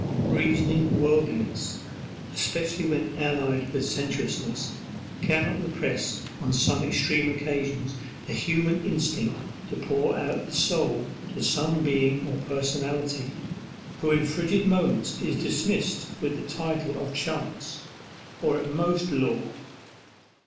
Reasoning worldliness, especially when allied with sensuousness, cannot repress on some extreme occasions the human instinct to pour out the soul to some Being or Personality, who in frigid moments is dismissed with the title of Chance, or at most Law.